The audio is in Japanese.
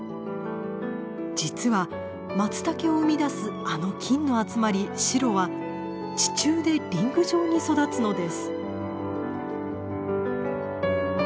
実はマツタケを生み出すあの菌の集まり「シロ」は地中でリング状に育つのです。